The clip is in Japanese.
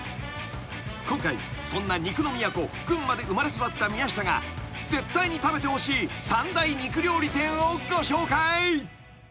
［今回そんな肉の都群馬で生まれ育った宮下が絶対に食べてほしい三大肉料理店をご紹介］